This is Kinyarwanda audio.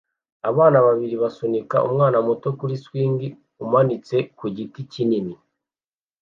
Abana babiri basunika umwana muto kuri swing umanitse ku giti kinini